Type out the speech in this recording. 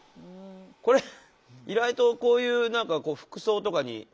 これ意外とこういう何か服装とかに。